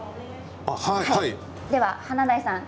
では華大さん